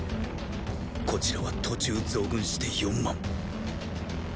こちらは途中増軍して四万ーー。